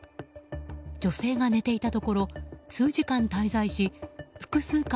女性が寝ていたところ数時間滞在し複数回